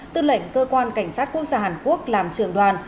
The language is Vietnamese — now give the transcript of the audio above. tư lệnh cơ quan cảnh sát quốc gia hàn quốc làm trưởng đoàn